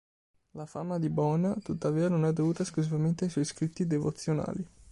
La fama di Bona, tuttavia, non è dovuta esclusivamente ai suoi scritti devozionali.